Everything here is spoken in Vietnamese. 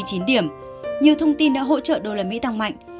nhiều thông tin đã hỗ trợ đô la mỹ tăng mạnh